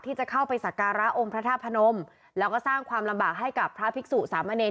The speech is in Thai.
ที่จะเข้าไปสักการะองค์พระธาตุพนมแล้วก็สร้างความลำบากให้กับพระภิกษุสามเณร